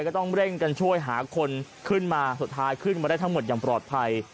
ก็ต้องเร่งกันช่วยหาคนขึ้นมาสุดท้ายขึ้นมาได้ทั้งหมดอย่างปลอดภัย